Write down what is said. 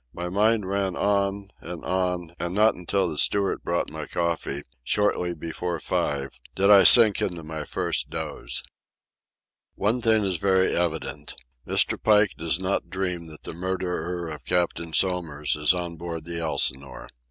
My mind ran on, and on, and not until the steward brought my coffee, shortly before five, did I sink into my first doze. One thing is very evident. Mr. Pike does not dream that the murderer of Captain Somers is on board the Elsinore.